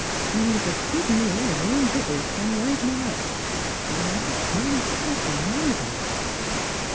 She needs a good meal o' warm vittles t' liven her up, 'n' th' ain't a bean o' coffee, neither."